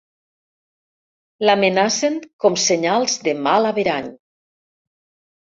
L'amenacen com senyals de mal averany.